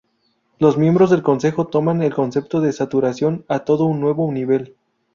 Los miembros del Consejo toman el concepto de saturación a todo un nuevo nivel.